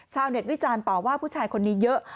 ชาวเน็ตวิจารณ์ต่อว่าผู้ชายคนนี้เยอะ